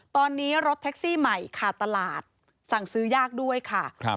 ตอนนี้รถแท็กซี่ใหม่ขาดตลาดสั่งซื้อยากด้วยค่ะ